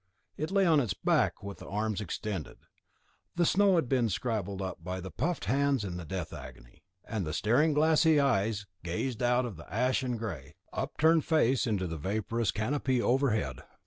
It lay on its back with the arms extended. The snow had been scrabbled up by the puffed hands in the death agony, and the staring glassy eyes gazed out of the ashen grey, upturned face into the vaporous canopy overhead.